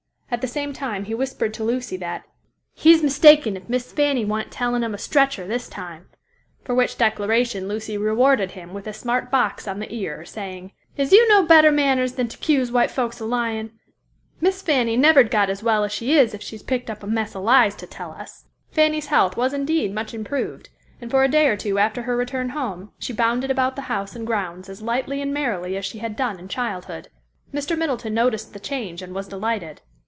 At the same time he whispered to Lucy that "He's mistaken if Miss Fanny wan't tellin' 'em a stretcher this time," for which declaration Lucy rewarded him with a smart box on the ear, saying, "Is you no better manners than to 'cuse white folks of lyin'? Miss Fanny never'd got as well as she is if she's picked up a mess of lies to tell us." Fanny's health was indeed much improved, and for a day or two after her return home, she bounded about the house and grounds as lightly and merrily as she had done in childhood. Mr. Middleton noticed the change and was delighted.